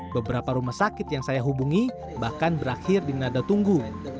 beberapa rumah sakit yang saya hubungi bahkan berakhir di nada tunggu